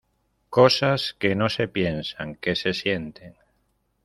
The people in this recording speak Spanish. cosas que no se piensan, que se sienten.